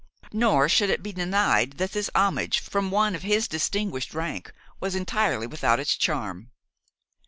Nor should it be denied that this homage, from one of his distinguished rank, was entirely without its charm.